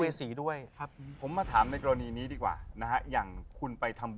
แจ๊คจิลวันนี้เขาสองคนไม่ได้มามูเรื่องกุมาทองอย่างเดียวแต่ว่าจะมาเล่าเรื่องประสบการณ์นะครับ